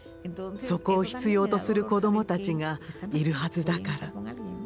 そこを必要とする子どもたちがいるはずだから。